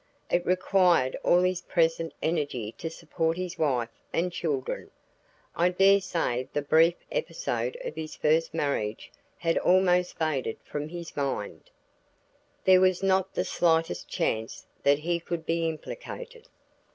It required all his present energy to support his wife and children I dare say the brief episode of his first marriage had almost faded from his mind. There was not the slightest chance that he could be implicated.